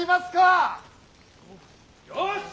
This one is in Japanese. よし！